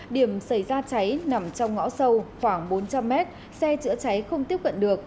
điểm xảy ra cháy nằm trong ngõ sâu khoảng bốn trăm linh m xe chữa cháy không tiếp cận được